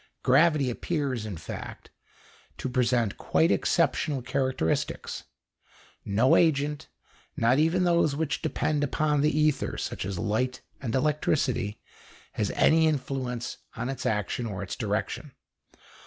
Gravity appears, in fact, to present quite exceptional characteristics. No agent, not even those which depend upon the ether, such as light and electricity, has any influence on its action or its direction.